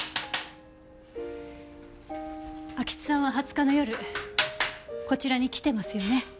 安芸津さんは２０日の夜こちらに来てますよね。